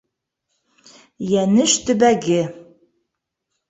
Йәнеш төбәге